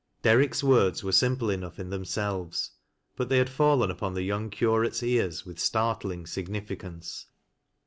Derrick's words were simple enough in tiiemselves, but they had fallen up&n the young Curate's ears with startling significance.